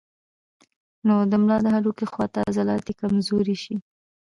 نو د ملا د هډوکي خواته عضلات ئې کمزوري شي